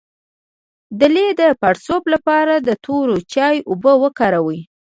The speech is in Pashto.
د لۍ د پړسوب لپاره د تور چای اوبه وکاروئ